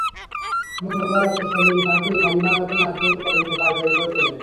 মঙ্গলবার রাতে শেলীর শাশুড়ি হালিমা খাতুন নাতনিকে কোলে নিয়ে পায়চারি করছিলেন।